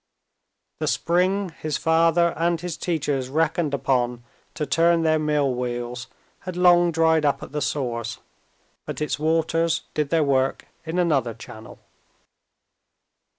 The spring his father and his teachers reckoned upon to turn their mill wheels had long dried up at the source, but its waters did their work in another channel.